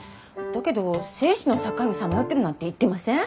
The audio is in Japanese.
だけど生死の境をさまよってるなんて言ってません。